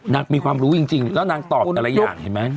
มีความรู้จริงแล้วนางตอบแต่ละอย่างเห็นไหม